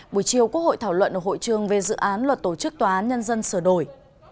buổi chiều quốc hội thảo luận ở hội trường về dự án luật tổ chức tòa án nhân dân sửa đổi